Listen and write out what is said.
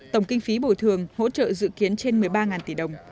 tổng kinh phí bồi thường hỗ trợ dự kiến trên một mươi ba tỷ đồng